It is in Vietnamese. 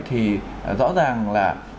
thì rõ ràng là